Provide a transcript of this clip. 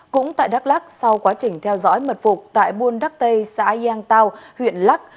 cũng tại đắk lắc sau quá trình theo dõi mật phục tại buôn đắc tây xã giang tao huyện lắc